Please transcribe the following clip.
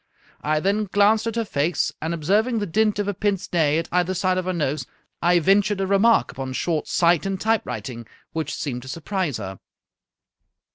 I then glanced at her face, and observing the dint of a pince nez at either side of her nose, I ventured a remark upon short sight and typewriting, which seemed to surprise her."